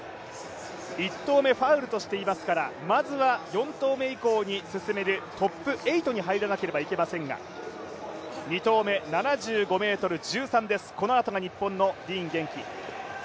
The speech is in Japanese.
１投目ファウルとしていますから、まずは４投目以降に進めるトップ８に入らないといけませんが２投目７５ｍ１３です、このあとが日本のディーン元気。